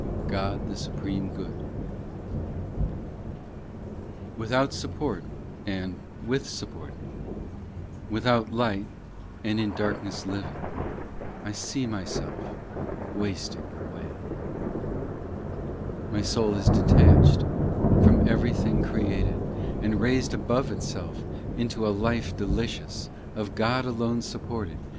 GOD THE SUPREME GOOD WITHOUT support, and with support, Without light and in darkness living, I see myself wasting away. i My soul is detached From every thing created, And raised above itself Into a life delicious, Of God alone supported.